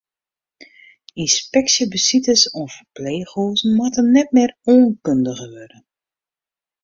Ynspeksjebesites oan ferpleechhûzen moatte net mear oankundige wurde.